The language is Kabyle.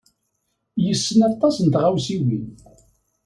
Yessen aṭas n tɣawsiwin.